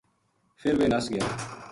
فر ویہ نس گیا